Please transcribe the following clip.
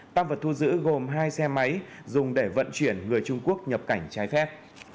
tăng vật thu giữ gồm hai xe máy dùng để vận chuyển người trung quốc nhập cảnh trái phép